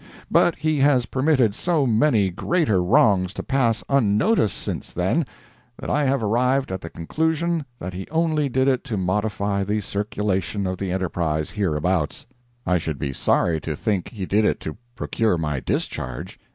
But he has permitted so many greater wrongs to pass unnoticed since then, that I have arrived at the conclusion that he only did it to modify the circulation of the ENTERPRISE hereabouts. I should be sorry to think he did it to procure my discharge.